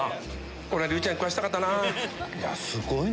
これ竜ちゃんに食わしたかったなぁ。